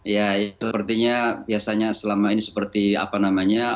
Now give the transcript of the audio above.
ya sepertinya biasanya selama ini seperti apa namanya